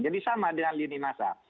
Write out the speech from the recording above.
jadi sama dengan lini masa